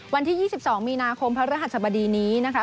วันที่๒๒มีนาคมพระรหัสบดีนี้นะคะ